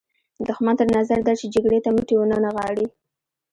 دښمن تر نظر درشي جګړې ته مټې ونه نغاړئ.